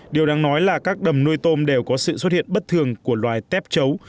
điều đáng nói là các đầm nuôi tôm đều có sự xuất hiện bất thường của loài tép chấu